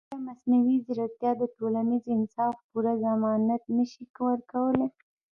ایا مصنوعي ځیرکتیا د ټولنیز انصاف پوره ضمانت نه شي ورکولی؟